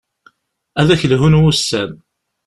Ad ak-lhun wussan.